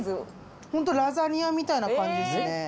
ホントラザニアみたいな感じですね。